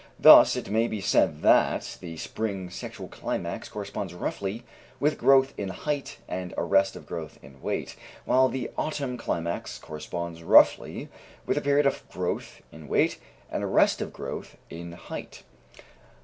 Thus it may be said that the spring sexual climax corresponds, roughly, with growth in height and arrest of growth in weight, while the autumn climax corresponds roughly with a period of growth in weight and arrest of growth in height.